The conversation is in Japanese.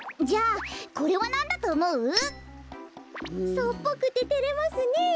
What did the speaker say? ソっぽくててれますねえ。